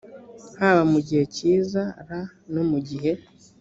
haba mu gihe cyiza r no mu gihe